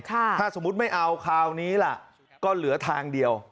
ถ้าสมมุติไม่เอาคราวนี้ล่ะก็เหลือทางเดียว